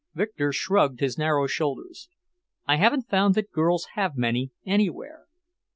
Victor shrugged his narrow shoulders. "I haven't found that girls have many, anywhere.